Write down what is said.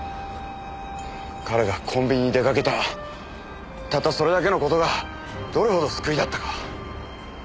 彼がコンビニに出かけたたったそれだけの事がどれほど救いだったか。